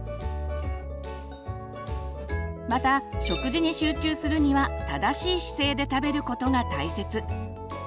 また食事に集中するには正しい姿勢で食べることが大切。